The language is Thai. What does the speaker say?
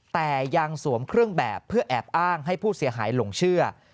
แต่ยังสวมเครื่องแบบเพื่อแอบอ้างให้ผู้เสียหายหลงเชื่อ